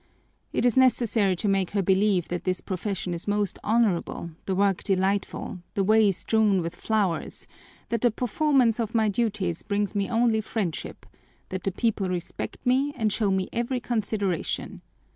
It is necessary to make her believe that this profession is most honorable, the work delightful, the way strewn with flowers, that the performance of my duties brings me only friendship, that the people respect me and show me every consideration.